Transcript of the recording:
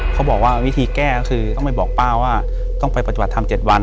เขาบอกว่าวิธีแก้ก็คือต้องไปบอกป้าว่าต้องไปปฏิบัติธรรม๗วัน